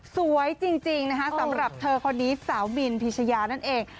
สวยจริงนะคะสำหรับเธอคนนี้สาวบินพิชยานั่นเอง